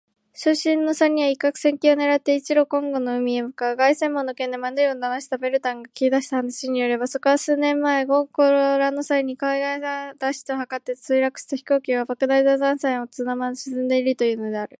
傷心の三人は一攫千金を狙って一路コンゴの海に向かう。凱旋門の件でマヌーを騙したヴェルタンから訊きだした話によれば、そこには数年前のコンゴ動乱の際に国外脱出を図って墜落した飛行機が、莫大な財宝を積んだまま沈んでいるというのである。